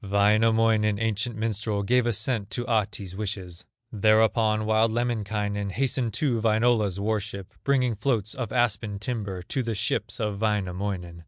Wainamoinen, ancient minstrel, Gave assent to Ahti's wishes; Thereupon wild Lemminkainen Hastened to Wainola's war ship, Bringing floats of aspen timber, To the ships of Wainamoinen.